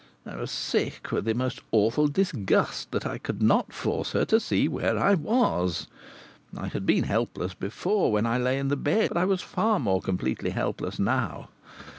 I was sick with the most awful disgust that I could not force her to see where I was. I had been helpless before, when I lay in the bed, but I was far more completely helpless now.